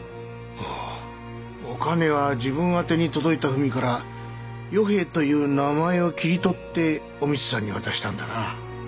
ああお兼は自分宛てに届いた文から「与平」という名前を切り取ってお美津さんに渡したんだな。